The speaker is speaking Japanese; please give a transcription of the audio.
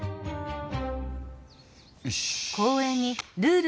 よし！